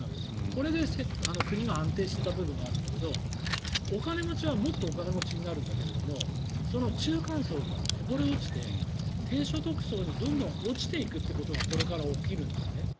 これで国が安定していた部分があるんだけどお金持ちはもっとお金持ちになるんだけどその中間層からこぼれ落ちて低所得層にどんどん落ちていくということがこれから起きるんですね。